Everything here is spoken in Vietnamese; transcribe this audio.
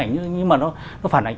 nhưng mà nó phản ảnh